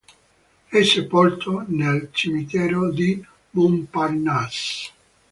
È sepolto nel cimitero di Montparnasse.